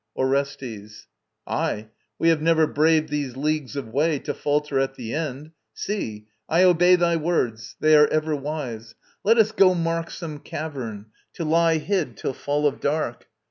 ORESTES. Aye; we have never braved these leagues of way To falter at the end. See, I obey Thy words. They are ever wise. Let us go mark Some cavern, to lie hid till fall of dark.